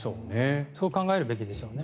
そう考えるべきでしょうね。